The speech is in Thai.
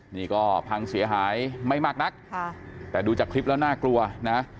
นี่ก็พังเสียหายไม่มากนักค่ะแต่ดูจากคลิปแล้วน่ากลัวนะ